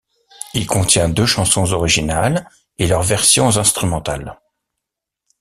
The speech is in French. Il contient deux chansons originales et leurs versions instrumentales.